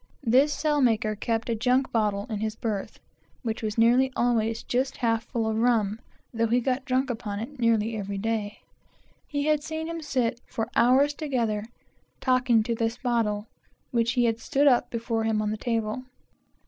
This sail maker kept a junk bottle in his berth, which was always just half full of rum, though he got drunk upon it nearly every day. He had seen him sit for hours together, talking to this bottle, which he stood up before him on the table.